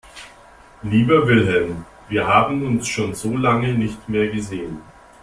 Lieber Wilhelm, wir haben uns schon so lange nicht mehr gesehen.